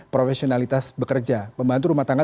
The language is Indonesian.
profesionalitas bekerja pembantu rumah tangga